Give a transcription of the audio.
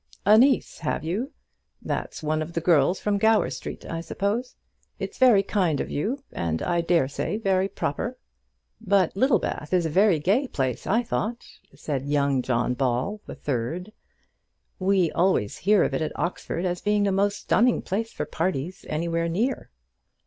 "A niece, have you? That's one of the girls from Gower Street, I suppose? It's very kind of you, and I dare say, very proper." "But Littlebath is a very gay place, I thought," said John Ball, the third and youngest of the name. "We always hear of it at Oxford as being the most stunning place for parties anywhere near."